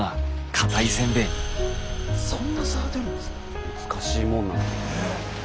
難しいもんなんですね。